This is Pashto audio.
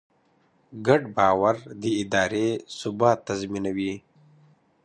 ګډ باور د ادارې ثبات تضمینوي.